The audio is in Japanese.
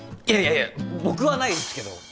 いやいやいや僕はないですけど。